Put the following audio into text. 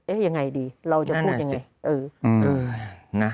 เอ๊ะยังไงดีเราจะพูดยังไงเออเออนะ